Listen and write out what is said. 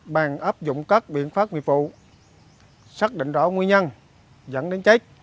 bàn áp dụng các biện pháp nghiệp vụ xác định rõ nguyên nhân dẫn đến chết